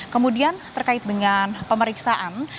kemudian terkait dengan pemeriksaan